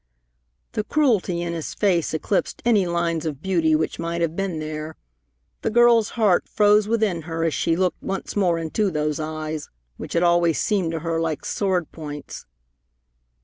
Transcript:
The cruelty in his face eclipsed any lines of beauty which might have been there. The girl's heart froze within her as she looked once more into those eyes, which had always seemed to her like sword points.